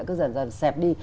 cứ dần dần xẹp đi